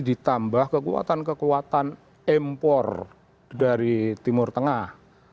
ditambah kekuatan kekuatan impor dari timur tengah